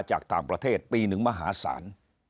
จากต่างประเทศปีหนึ่งมหาศาล